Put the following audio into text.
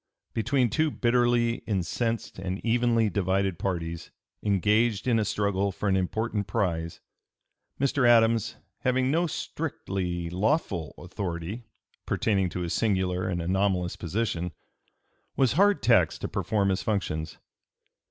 Between two bitterly incensed and evenly divided parties engaged in a struggle for an important prize, Mr. Adams, having no strictly lawful authority pertaining to (p. 295) his singular and anomalous position, was hard taxed to perform his functions.